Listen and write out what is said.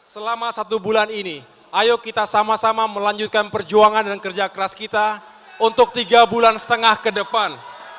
selama satu bulan ini ayo kita sama sama melanjutkan perjuangan dan kerja keras kita untuk tiga bulan setengah ke depan